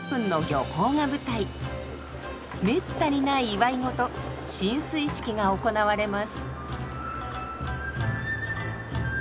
めったにない祝い事進水式が行われます。